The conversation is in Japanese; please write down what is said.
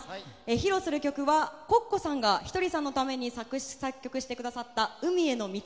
披露する曲はＣｏｃｃｏさんがひとりさんのために作詞・作曲してくださった「海への道」。